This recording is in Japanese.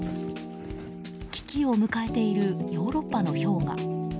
危機を迎えているヨーロッパの氷河。